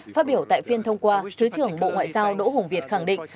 phát biểu tại phiên thông qua thứ trưởng bộ ngoại giao đỗ hùng việt khẳng định